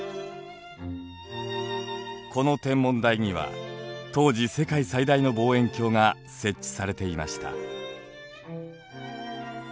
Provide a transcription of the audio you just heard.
この天文台には当時世界最大の望遠鏡が設置されていました。